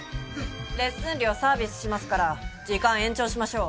レッスン料サービスしますから時間延長しましょう。